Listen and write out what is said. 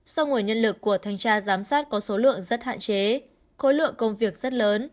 do nguồn nhân lực của thanh tra giám sát có số lượng rất hạn chế khối lượng công việc rất lớn